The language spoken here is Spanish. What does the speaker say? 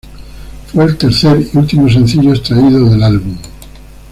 Fue el tercer y último sencillo extraído del álbum.